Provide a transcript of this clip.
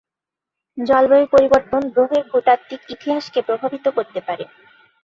জলবায়ু পরিবর্তন গ্রহের ভূতাত্ত্বিক ইতিহাসকে প্রভাবিত করতে পারে।